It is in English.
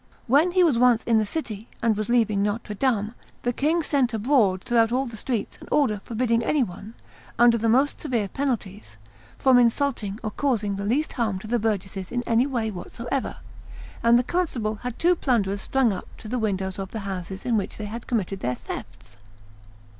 When he was once in the city, and was leaving Notre Dame, the king sent abroad throughout all the streets an order forbidding any one, under the most severe penalties, from insulting or causing the least harm to the burgesses in any way whatsoever; and the constable had two plunderers strung up to the windows of the houses in which they had committed their thefts.